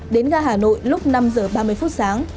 đến ga hà nội lúc năm h ba mươi sáng